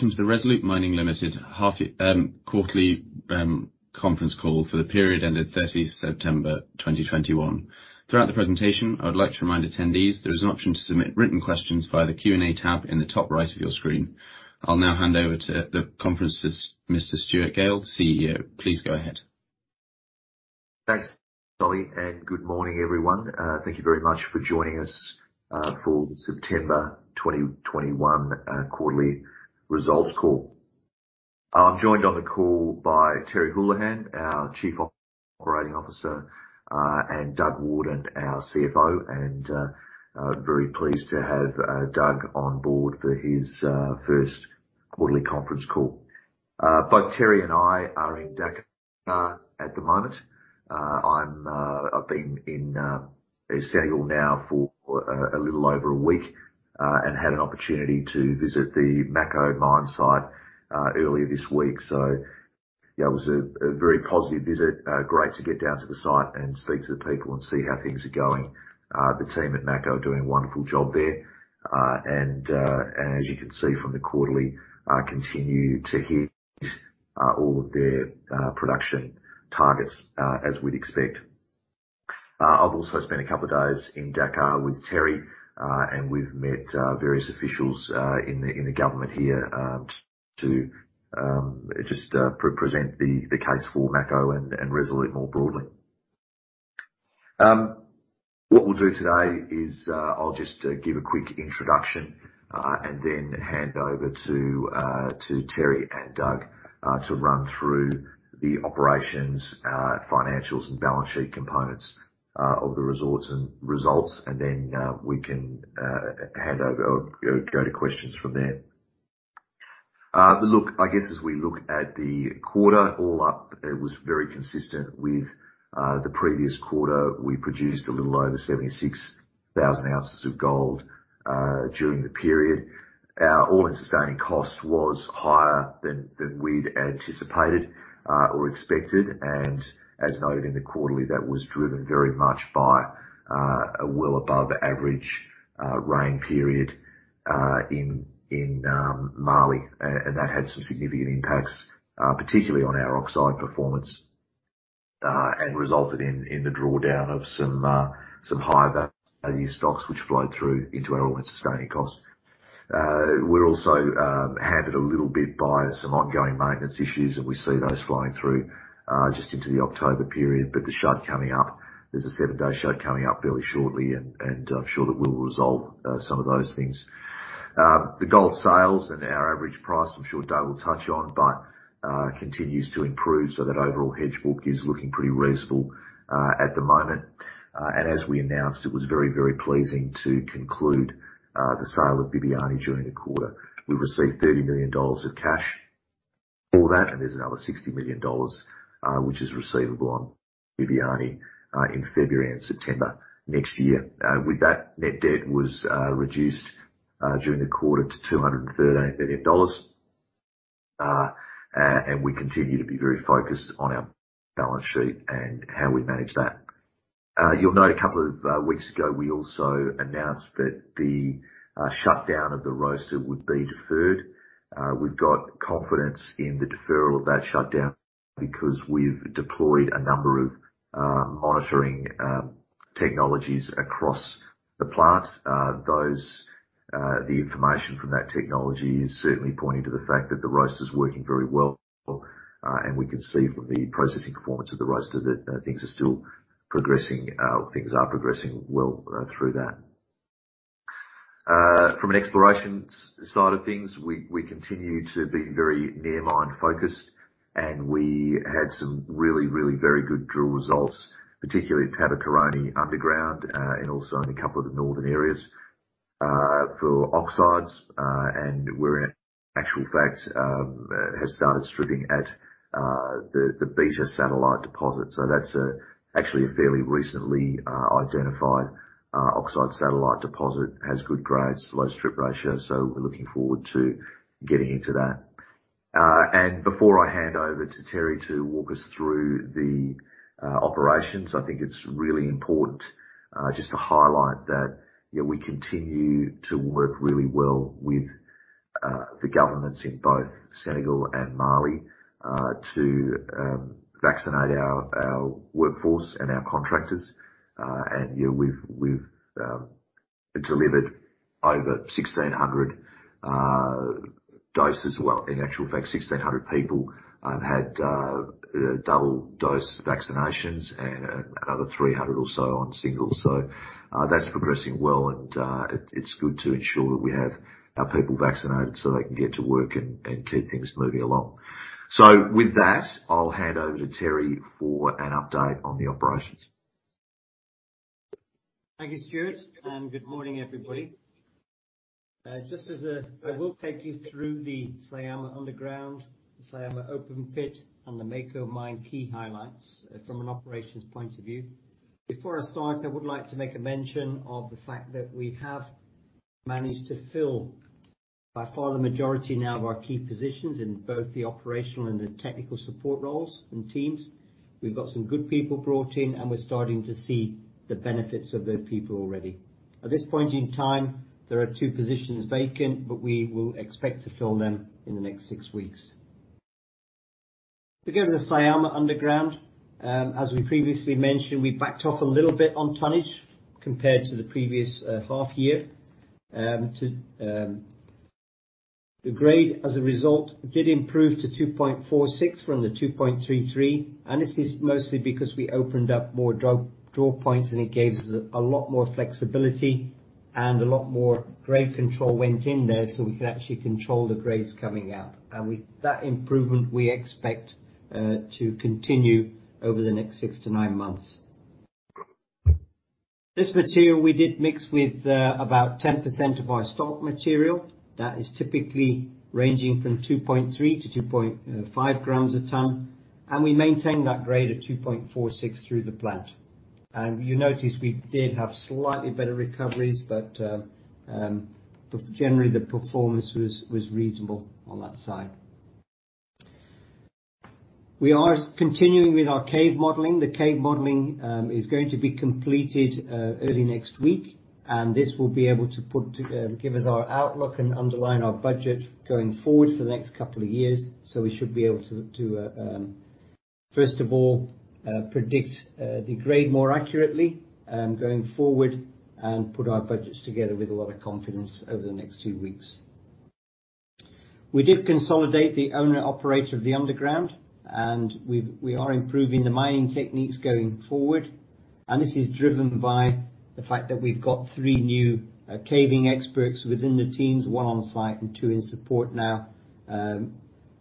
Welcome to the Resolute Mining Limited quarterly conference call for the period ended 30 September 2021. Throughout the presentation, I would like to remind attendees there is an option to submit written questions via the Q&A tab in the top right of your screen. I'll now hand over to the conference's Mr. Stuart Gale, CEO. Please go ahead. Thanks, Ollie, and good morning, everyone. Thank you very much for joining us for September 2021 quarterly results call. I'm joined on the call by Terry Holohan, our Chief Operating Officer, and Doug Warden, our CFO, and very pleased to have Doug on board for his first quarterly conference call. Both Terry and I are in Dakar at the moment. I've been in Senegal now for a little over a week, and had an opportunity to visit the Mako mine site earlier this week. Yeah, it was a very positive visit. Great to get down to the site and speak to the people and see how things are going. The team at Mako are doing a wonderful job there. As you can see from the quarterly, we continue to hit all of their production targets, as we'd expect. I've also spent a couple of days in Dakar with Terry, and we've met various officials in the government here to just present the case for Mako and Resolute more broadly. What we'll do today is, I'll just give a quick introduction, and then hand over tO Terry and Doug to run through the operations, financials and balance sheet components of Resolute's results. Then we can hand over or go to questions from there. I guess as we look at the quarter all up, it was very consistent with the previous quarter. We produced a little over 76,000 ounces of gold during the period. Our all-in sustaining cost was higher than we'd anticipated or expected. As noted in the quarterly, that was driven very much by a well above average rain period in Mali. That had some significant impacts, particularly on our oxide performance, and resulted in the drawdown of some higher value stocks which flowed through into our all-in sustaining cost. We're also hampered a little bit by some ongoing maintenance issues, and we see those flowing through just into the October period. The shut coming up, there's a 7-day shut coming up fairly shortly and I'm sure that we'll resolve some of those things. The gold sales and our average price, I'm sure Doug will touch on, but continues to improve so that overall hedge book is looking pretty reasonable at the moment. As we announced, it was very, very pleasing to conclude the sale of Bibiani during the quarter. We received $30 million of cash for that, and there's another $60 million which is receivable on Bibiani in February and September next year. With that, net debt was reduced during the quarter to $213 million. We continue to be very focused on our balance sheet and how we manage that. You'll note a couple of weeks ago, we also announced that the shutdown of the roaster would be deferred. We've got confidence in the deferral of that shutdown because we've deployed a number of monitoring technologies across the plant. The information from that technology is certainly pointing to the fact that the roaster's working very well, and we can see from the processing performance of the roaster that things are progressing well through that. From an exploration side of things, we continue to be very near-mine focused, and we had some really very good drill results, particularly at Tabakoroni underground, and also in a couple of the northern areas for oxides, and we're in actual fact have started stripping at the Beta satellite deposit. That's actually a fairly recently identified oxide satellite deposit, has good grades, low strip ratio, so we're looking forward to getting into that. Before I hand over to Terry to walk us through the operations, I think it's really important just to highlight that, you know, we continue to work really well with the governments in both Senegal and Mali to vaccinate our workforce and our contractors. You know, we've delivered over 1,600 doses. Well, in actual fact, 1,600 people had double dose vaccinations and another 300 or so on single. That's progressing well and it's good to ensure that we have our people vaccinated so they can get to work and keep things moving along. With that, I'll hand over to Terry for an update on the operations. Thank you, Stuart, and good morning, everybody. I will take you through the Syama underground, Syama open pit, and the Mako mine key highlights from an operations point of view. Before I start, I would like to make a mention of the fact that we have managed to fill by far the majority now of our key positions in both the operational and the technical support roles and teams. We've got some good people brought in, and we're starting to see the benefits of those people already. At this point in time, there are two positions vacant, but we will expect to fill them in the next six weeks. To get to the Syama underground, as we previously mentioned, we backed off a little bit on tonnage compared to the previous half year. The grade, as a result, did improve to 2.46 from the 2.33, and this is mostly because we opened up more draw points, and it gave us a lot more flexibility and a lot more grade control went in there, so we can actually control the grades coming out. With that improvement, we expect to continue over the next 6 to 9 months. This material we did mix with about 10% of our stock material that is typically ranging from 2.3 to 2.5 grams a ton, and we maintained that grade of 2.46 through the plant. You notice we did have slightly better recoveries, but generally, the performance was reasonable on that side. We are continuing with our cave modeling. The cave modeling is going to be completed early next week, and this will be able to give us our outlook and underline our budget going forward for the next couple of years, so we should be able to first of all predict the grade more accurately going forward and put our budgets together with a lot of confidence over the next two weeks. We did consolidate the owner operator of the underground, and we are improving the mining techniques going forward. This is driven by the fact that we've got three new caving experts within the teams, one on site and two in support now.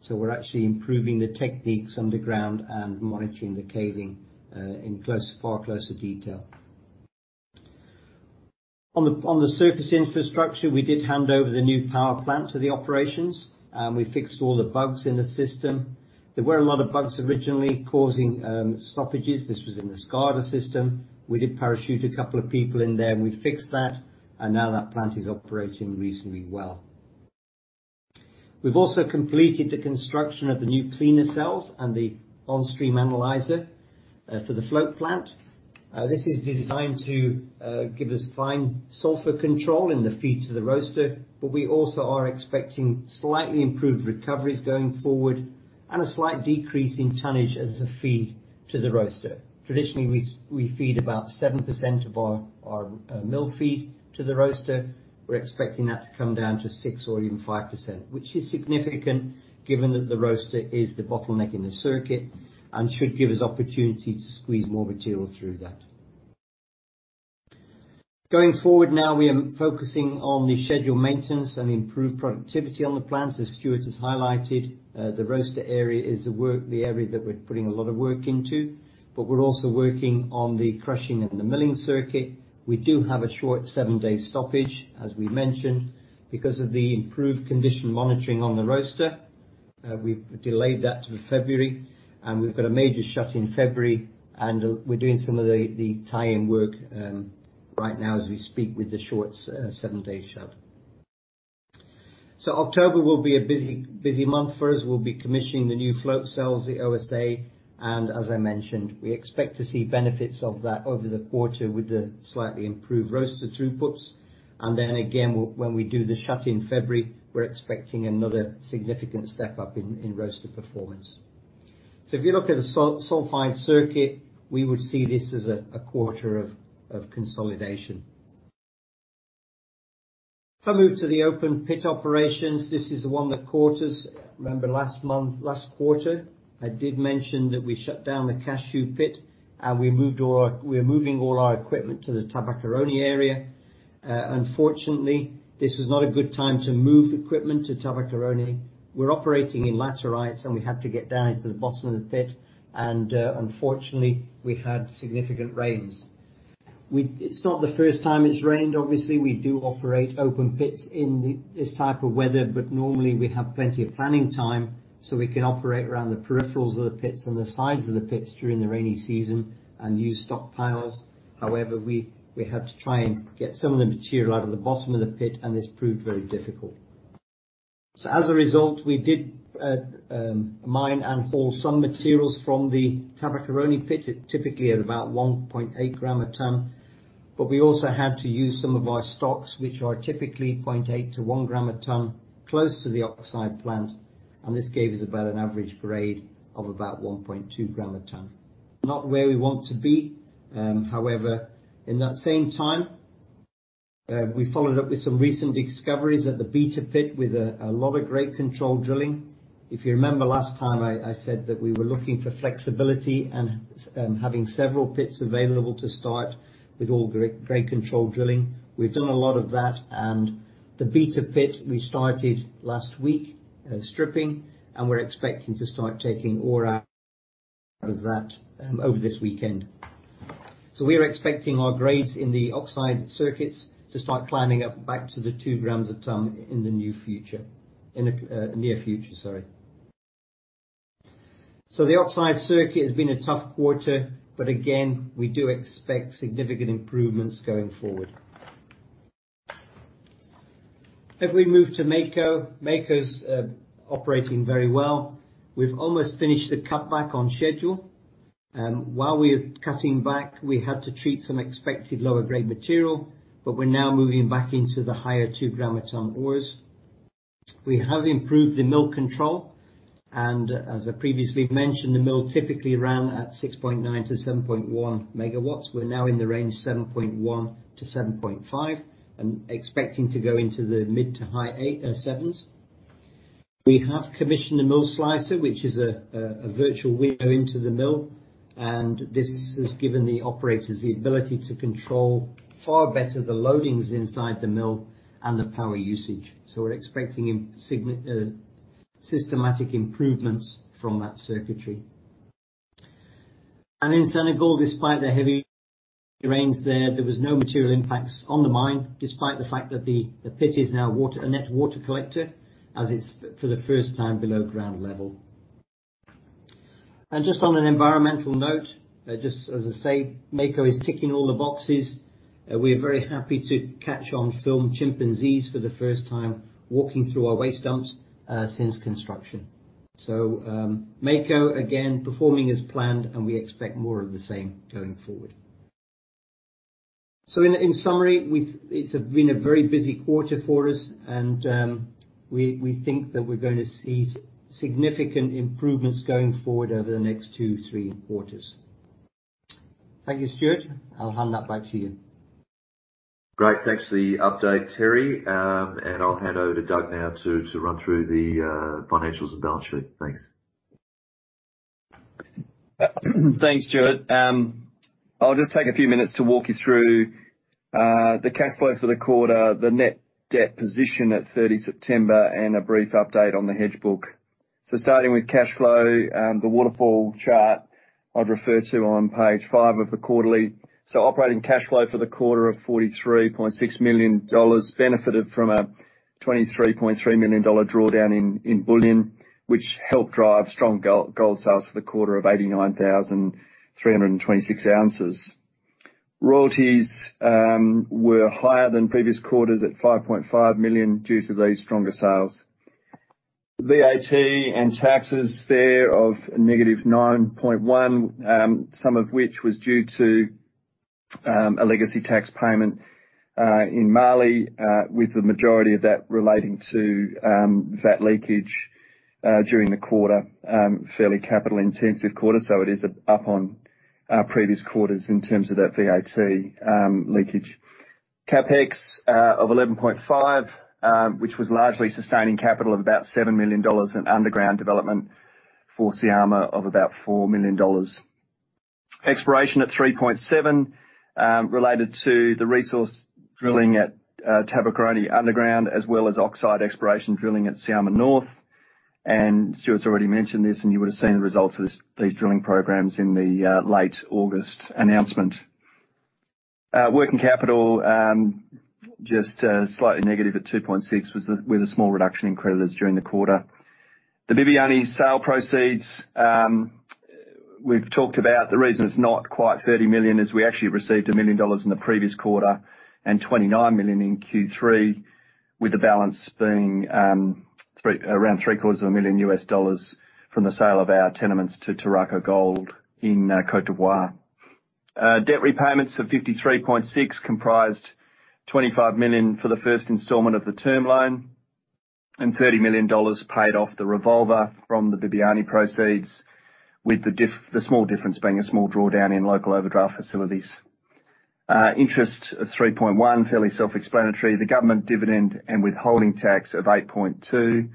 So we're actually improving the techniques underground and monitoring the caving in close, far closer detail. On the surface infrastructure, we did hand over the new power plant to the operations, and we fixed all the bugs in the system. There were a lot of bugs originally causing stoppages. This was in the SCADA system. We did parachute a couple of people in there, and we fixed that, and now that plant is operating reasonably well. We've also completed the construction of the new cleaner cells and the on-stream analyzer for the float plant. This is designed to give us fine sulfur control in the feed to the roaster, but we also are expecting slightly improved recoveries going forward and a slight decrease in tonnage as a feed to the roaster. Traditionally, we feed about 7% of our mill feed to the roaster. We're expecting that to come down to 6% or even 5%, which is significant given that the roaster is the bottleneck in the circuit and should give us opportunity to squeeze more material through that. Going forward now, we are focusing on the scheduled maintenance and improved productivity on the plant. As Stuart has highlighted, the roaster area is the area that we're putting a lot of work into, but we're also working on the crushing and the milling circuit. We do have a short 7-day stoppage, as we mentioned, because of the improved condition monitoring on the roaster. We've delayed that till February, and we've got a major shut in February, and we're doing some of the tie-in work right now as we speak with the short 7-day shut. October will be a busy month for us. We'll be commissioning the new float cells, the OSA, and as I mentioned, we expect to see benefits of that over the quarter with the slightly improved roaster throughputs. Again, when we do the shutdown in February, we're expecting another significant step up in roaster performance. If you look at the sulfide circuit, we would see this as a quarter of consolidation. If I move to the open pit operations, this is one of the quarters. Remember last month, last quarter, I did mention that we shut down the Cashew pit, and we moved all our, we're moving all our equipment to the Tabakoroni area. Unfortunately, this was not a good time to move equipment to Tabakoroni. We're operating in laterites, and we had to get down into the bottom of the pit, and unfortunately, we had significant rains. It's not the first time it's rained. Obviously, we do operate open pits in this type of weather, but normally we have plenty of planning time, so we can operate around the peripherals of the pits and the sides of the pits during the rainy season and use stockpiles. However, we had to try and get some of the material out of the bottom of the pit, and this proved very difficult. As a result, we did mine and haul some materials from the Tabakoroni pit, typically at about 1.8 grams a ton, but we also had to use some of our stocks, which are typically 0.8-1 grams a ton, close to the oxide plant, and this gave us about an average grade of about 1.2 grams a ton. Not where we want to be. However, in that same time, we followed up with some recent discoveries at the Beta pit with a lot of great control drilling. If you remember last time I said that we were looking for flexibility and having several pits available to start with all grade control drilling. We've done a lot of that, and the Beta pit we started last week stripping, and we're expecting to start taking ore out of that over this weekend. We are expecting our grades in the oxide circuits to start climbing up back to the two grams a ton in the near future, sorry. The oxide circuit has been a tough quarter, but again, we do expect significant improvements going forward. If we move to Mako's operating very well. We've almost finished the cutback on schedule. While we are cutting back, we had to treat some expected lower grade material, but we're now moving back into the higher 2-gram a ton ores. We have improved the mill control, and as I previously mentioned, the mill typically ran at 6.9-7.1 MW. We're now in the range 7.1-7.5, and expecting to go into the mid- to high 8.7s. We have commissioned the MillSlicer, which is a virtual window into the mill, and this has given the operators the ability to control far better the loadings inside the mill and the power usage. We're expecting systematic improvements from that circuitry. In Senegal, despite the heavy rains there was no material impacts on the mine, despite the fact that the pit is now water. a net water collector, as it's for the first time below ground level. Just on an environmental note, just as I say, Mako is ticking all the boxes. We are very happy to catch on film chimpanzees for the first time walking through our waste dumps since construction. Mako, again, performing as planned, and we expect more of the same going forward. In summary, it's been a very busy quarter for us, and we think that we're gonna see significant improvements going forward over the next two, three quarters. Thank you, Stuart. I'll hand that back to you. Great. Thanks for the update, Terry. I'll hand over to Doug now to run through the financials and balance sheet. Thanks. Thanks, Stuart. I'll just take a few minutes to walk you through the cash flows for the quarter, the net debt position at 30 September, and a brief update on the hedge book. Starting with cash flow, the waterfall chart I'd refer to on page 5 of the quarterly. Operating cash flow for the quarter of $43.6 million benefited from a $23.3 million drawdown in bullion, which helped drive strong gold sales for the quarter of 89,326 ounces. Royalties were higher than previous quarters at $5.5 million due to these stronger sales. VAT and taxes thereof -9.1, some of which was due to a legacy tax payment in Mali, with the majority of that relating to VAT leakage during the quarter. Fairly capital-intensive quarter, so it is up on previous quarters in terms of that VAT leakage. CapEx of 11.5, which was largely sustaining capital of about $7 million in underground development for Syama of about $4 million. Exploration at 3.7, related to the resource drilling at Tabakoroni underground, as well as oxide exploration drilling at Syama North. Stuart's already mentioned this, and you would've seen the results of these drilling programs in the late August announcement. Working capital just slightly negative at $2.6 million with a small reduction in creditors during the quarter. The Bibiani sale proceeds we've talked about. The reason it's not quite $30 million is we actually received $1 million in the previous quarter and $29 million in Q3, with the balance being around three-quarters of a million US dollars from the sale of our tenements to Toro Gold in Côte d'Ivoire. Debt repayments of $53.6 million comprised $25 million for the first installment of the term loan and $30 million paid off the revolver from the Bibiani proceeds, with the small difference being a small drawdown in local overdraft facilities. Interest of $3.1 million, fairly self-explanatory. The government dividend and withholding tax of $8.2 million.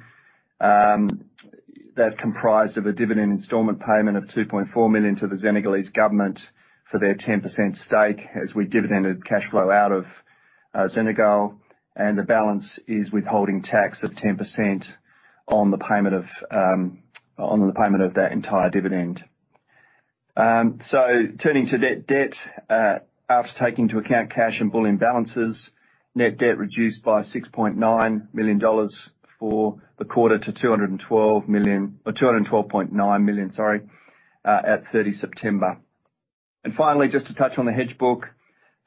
That comprised of a dividend installment payment of $2.4 million to the Senegalese government for their 10% stake, as we dividended cash flow out of Senegal. The balance is withholding tax of 10% on the payment of that entire dividend. Turning to net debt, after taking into account cash and bullion balances, net debt reduced by $6.9 million for the quarter to $212 million, or $212.9 million, sorry, at 30 September. Finally, just to touch on the hedge book,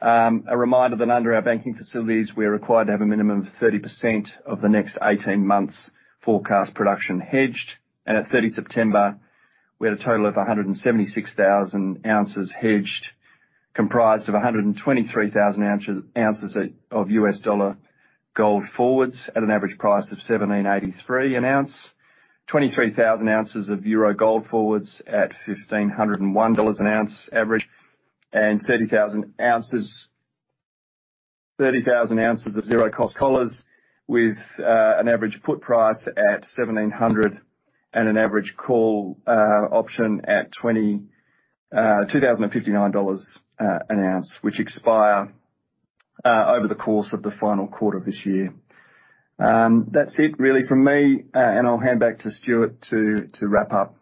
a reminder that under our banking facilities, we are required to have a minimum of 30% of the next 18 months' forecast production hedged. At 30 September, we had a total of 176,000 ounces hedged, comprised of 123,000 ounces of US dollar gold forwards at an average price of $1,783 an ounce, 23,000 ounces of euro gold forwards at $1,501 an ounce average, and 30,000 ounces of zero-cost collars with an average put price at $1,700, and an average call option at $2,059 an ounce, which expire over the course of the final quarter of this year. That's it really from me, and I'll hand back to Stuart to wrap up.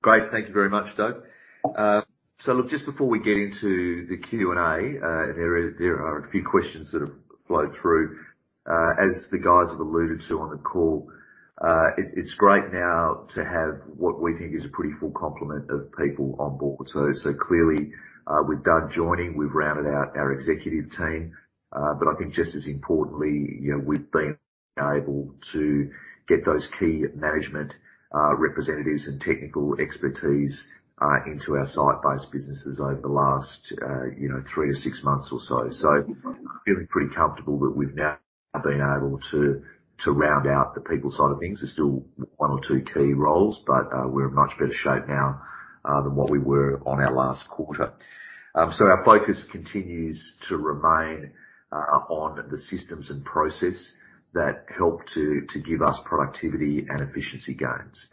Great. Thank you very much, Doug. Look, just before we get into the Q&A, there are a few questions that have flowed through As the guys have alluded to on the call, it's great now to have what we think is a pretty full complement of people on board. Clearly, we're done joining. We've rounded out our executive team, but I think just as importantly, you know, we've been able to get those key management representatives and technical expertise into our site-based businesses over the last, you know, 3-6 months or so. Feeling pretty comfortable that we've now been able to round out the people side of things. There's still one or two key roles, but we're in much better shape now than what we were on our last quarter. Our focus continues to remain on the systems and process that help to give us productivity and efficiency gains.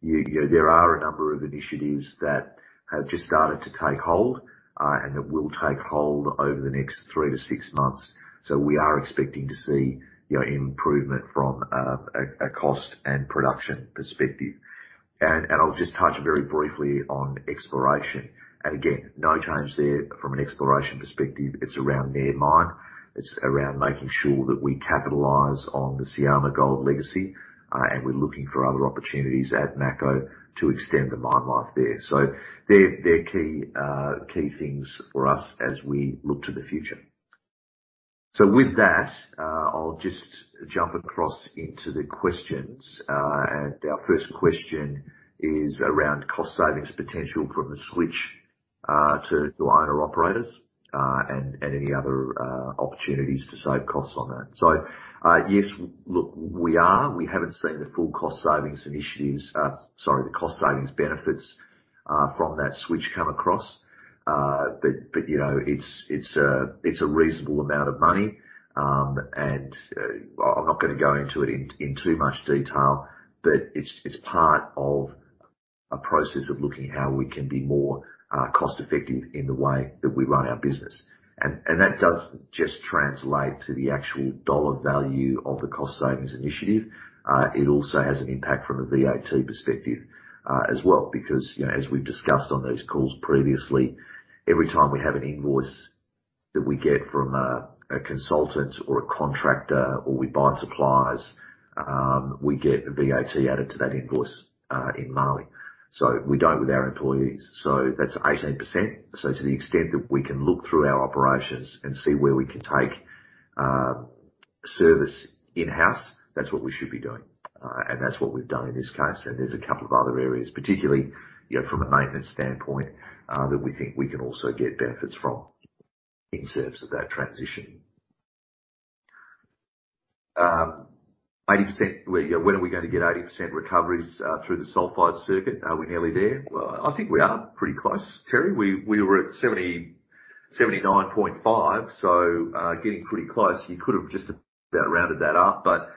You know, there are a number of initiatives that have just started to take hold, and that will take hold over the next 3-6 months. We are expecting to see, you know, improvement from a cost and production perspective. I'll just touch very briefly on exploration. Again, no change there from an exploration perspective. It's around near mine. It's around making sure that we capitalize on the Syama gold legacy, and we're looking for other opportunities at Mako to extend the mine life there. They're key things for us as we look to the future. With that, I'll just jump across into the questions. Our first question is around cost savings potential from the switch to owner-operators and any other opportunities to save costs on that. Yes, look, we are. We haven't seen the full cost savings benefits from that switch come across. You know, it's a reasonable amount of money. I'm not gonna go into it in too much detail, but it's part of a process of looking how we can be more cost effective in the way that we run our business. That doesn't just translate to the actual dollar value of the cost savings initiative. It also has an impact from a VAT perspective as well. Because, you know, as we've discussed on these calls previously, every time we have an invoice that we get from a consultant or a contractor or we buy supplies, we get VAT added to that invoice in Mali. We don't with our employees. That's 18%. To the extent that we can look through our operations and see where we can take service in-house, that's what we should be doing. That's what we've done in this case. There's a couple of other areas, particularly, you know, from a maintenance standpoint, that we think we can also get benefits from in service of that transition. 80%, when are we gonna get 80% recoveries through the sulfide circuit? Are we nearly there? Well, I think we are pretty close, Terry. We were at 79.5, getting pretty close. You could have just about rounded that up, but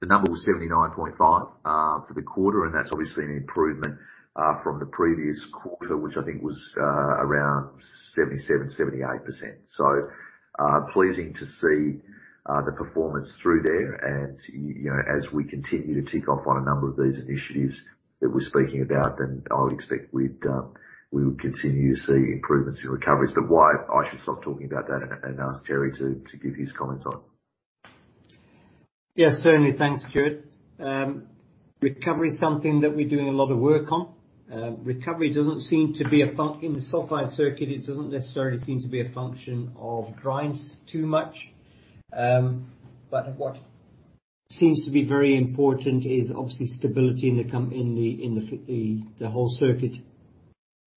the number was 79.5 for the quarter, and that's obviously an improvement from the previous quarter, which I think was around 77-78%. Pleasing to see the performance through there. You know, as we continue to tick off on a number of these initiatives that we're speaking about, then I would expect we would continue to see improvements in recoveries. Why I should stop talking about that and ask Terry to give his comments on. Yes, certainly. Thanks, Stuart. Recovery is something that we're doing a lot of work on. Recovery doesn't seem to be a function of grind too much in the sulfide circuit. What seems to be very important is obviously stability in the whole circuit.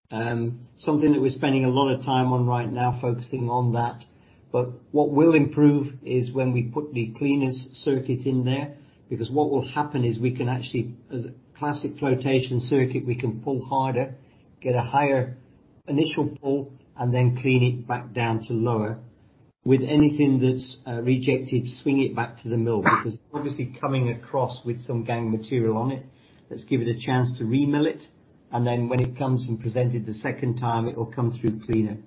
Something that we're spending a lot of time on right now focusing on that. What will improve is when we put the cleaner circuit in there, because what will happen is we can actually, as a classic flotation circuit, we can pull harder, get a higher initial pull, and then clean it back down to lower. With anything that's rejected, swing it back to the mill. Because obviously coming across with some gangue material on it, let's give it a chance to re-mill it, and then when it comes and presented the second time, it will come through cleaner.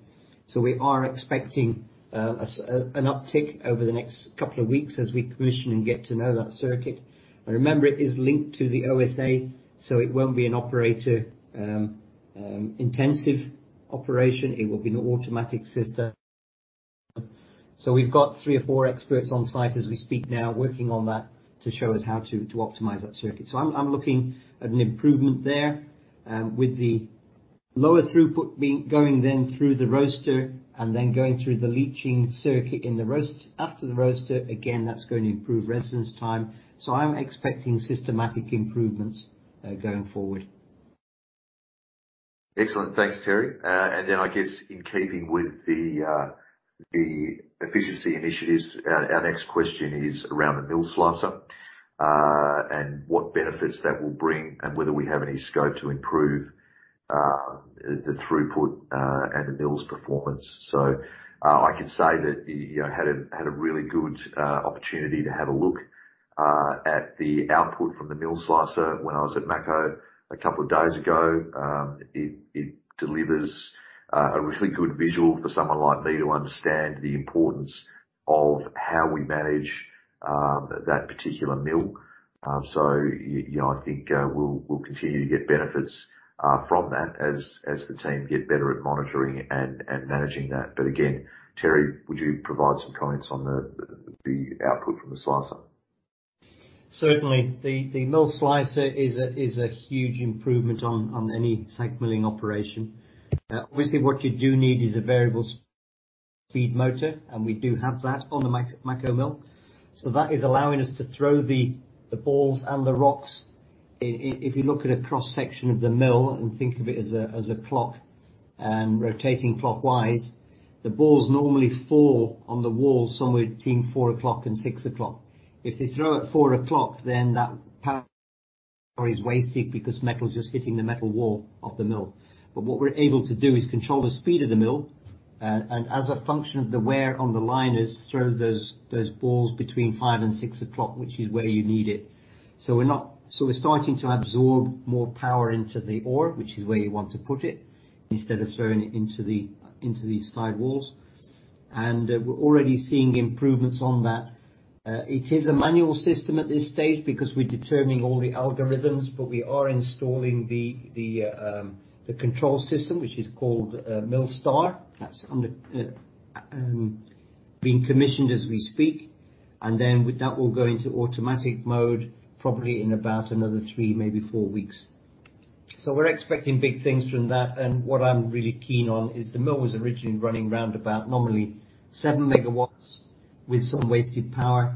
We are expecting an uptick over the next couple of weeks as we commission and get to know that circuit. Remember, it is linked to the OSA, so it won't be an operator intensive operation. It will be an automatic system. We've got three or four experts on site as we speak now working on that to show us how to optimize that circuit. I'm looking at an improvement there, with the lower throughput being going then through the roaster and then going through the leaching circuit in the roast. After the roaster, again, that's going to improve residence time. I'm expecting systematic improvements going forward. Excellent. Thanks, Terry. I guess in keeping with the efficiency initiatives, our next question is around the MillSlicer and what benefits that will bring and whether we have any scope to improve the throughput and the mill's performance. I can say that, you know, I had a really good opportunity to have a look at the output from the MillSlicer when I was at Mako a couple of days ago. It delivers a really good visual for someone like me to understand the importance of how we manage that particular mill. You know, I think we'll continue to get benefits from that as the team get better at monitoring and managing that. Again, Terry, would you provide some comments on the output from the MillSlicer? Certainly. The MillSlicer is a huge improvement on any SAG milling operation. Obviously what you do need is a variable speed motor, and we do have that on the Mako mill. That is allowing us to throw the balls and the rocks. If you look at a cross-section of the mill and think of it as a clock and rotating clockwise, the balls normally fall on the wall somewhere between four o'clock and six o'clock. If they throw at four o'clock, then that power is wasted because metal is just hitting the metal wall of the mill. What we're able to do is control the speed of the mill, and as a function of the wear on the liners, throw those balls between five and six o'clock, which is where you need it. We're not... We're starting to absorb more power into the ore, which is where you want to put it, instead of throwing it into these side walls. We're already seeing improvements on that. It is a manual system at this stage because we're determining all the algorithms, but we are installing the control system, which is called MillSTAR. That's being commissioned as we speak. With that we'll go into automatic mode probably in about another 3, maybe 4 weeks. We're expecting big things from that. What I'm really keen on is the mill was originally running around normally 7 MW with some wasted power.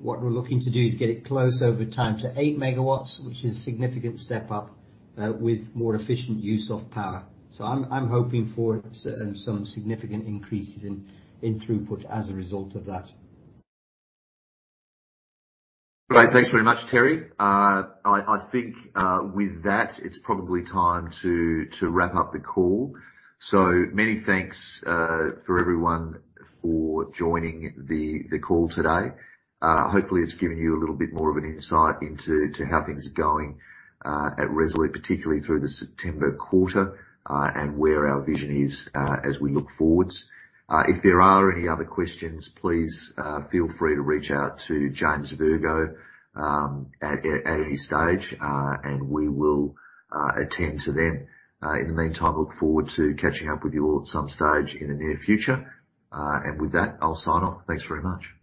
What we're looking to do is get it close over time to 8 MW, which is a significant step up with more efficient use of power. I'm hoping for some significant increases in throughput as a result of that. Great. Thanks very much, Terry. I think with that, it's probably time to wrap up the call. Many thanks for everyone for joining the call today. Hopefully it's given you a little bit more of an insight into how things are going at Resolute, particularly through the September quarter, and where our vision is as we look forwards. If there are any other questions, please feel free to reach out to James Virgoe at any stage, and we will attend to them. In the meantime, look forward to catching up with you all at some stage in the near future. With that, I'll sign off. Thanks very much.